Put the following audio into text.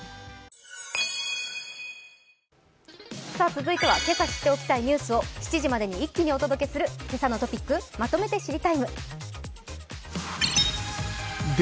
続いてはけさ知っておきたいニュースを７時までに一気にお届けする「けさのトピックまとめて知りＴＩＭＥ，」。